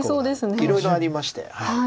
いろいろありまして。